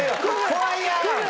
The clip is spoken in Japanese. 怖いやん！